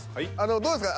どうですか？